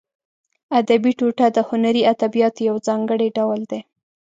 ادبي ټوټه د هنري ادبیاتو یو ځانګړی ډول دی.